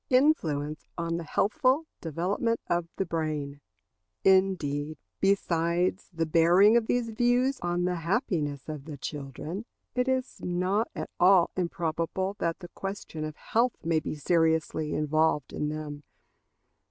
Influence on the healthful Development of the Brain. Indeed, besides the bearing of these views on the happiness of the children, it is not at all improbable that the question of health may be seriously involved in them.